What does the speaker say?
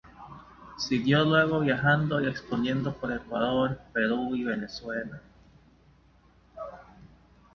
Siguió luego viajando y exponiendo por Ecuador, Perú y Venezuela.